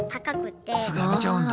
すぐ辞めちゃうんだ。